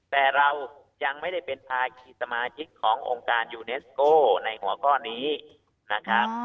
แต่เรายังไม่ได้เป็นภาคีสมาชิกขององค์การยูเนสโก้ในหัวข้อนี้นะครับ